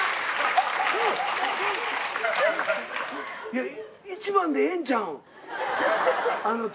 いや一番でええんちゃうん？